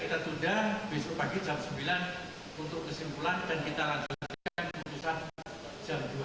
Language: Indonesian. kita tunda besok pagi jam sembilan untuk kesimpulan dan kita lanjutkan putusan jam dua belas